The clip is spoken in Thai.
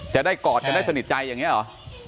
จะได้กอดกันได้สนิทใจอย่างนี้หรอ